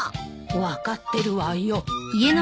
分かってるわよ。